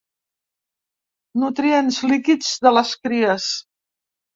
Nutrients líquids de les cries.